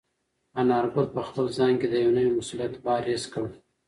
انارګل په خپل ځان کې د یو نوي مسولیت بار حس کړ.